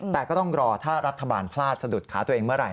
แต่ก็ต้องรอถ้ารัฐบาลพลาดสะดุดขาตัวเองเมื่อไห